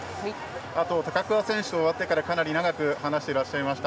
あと高桑選手と終わってからかなり長く話していらっしゃいました。